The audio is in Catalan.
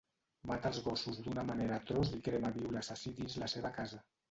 Mata els gossos d'una manera atroç i crema viu l'assassí dins la seva casa.